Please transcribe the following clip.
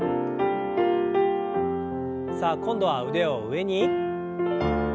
さあ今度は腕を上に。